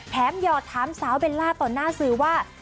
หยอดถามสาวเบลล่าต่อหน้าสื่อว่า